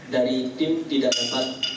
dari tim tidak dapat